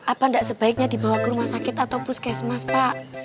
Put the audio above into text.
apa tidak sebaiknya dibawa ke rumah sakit atau puskesmas pak